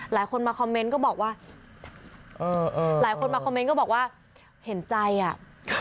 หลายคนมาคอมเมนต์ก็บอกว่าเห็นใจอ่ะ